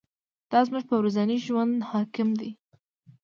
دا زموږ په ورځني ژوند حاکم دی.